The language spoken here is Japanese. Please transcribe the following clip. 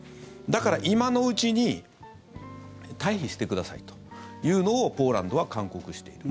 だから今のうちに退避してくださいというのをポーランドは勧告している。